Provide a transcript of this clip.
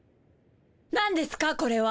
なんですかこれは。